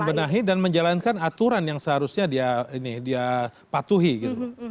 membenahi dan menjalankan aturan yang seharusnya dia patuhi gitu